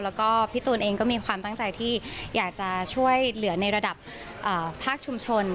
แล้วก็พี่ตูนเองก็มีความตั้งใจที่อยากจะช่วยเหลือในระดับภาคชุมชน